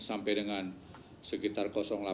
sampai dengan sekitar delapan